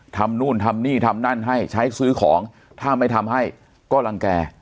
นู่นทำนี่ทำนั่นให้ใช้ซื้อของถ้าไม่ทำให้ก็รังแก่